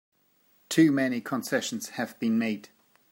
Too many concessions have been made!